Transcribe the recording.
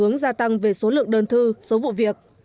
hướng gia tăng về số lượng đơn thư số vụ việc